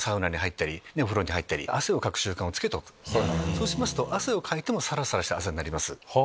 そうしますと汗をかいてもさらさらした汗になります。